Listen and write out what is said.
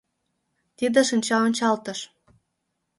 Тиде шинчаончалтыш